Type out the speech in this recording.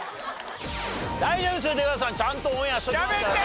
大丈夫ですよ出川さん。ちゃんとオンエアしときますからね。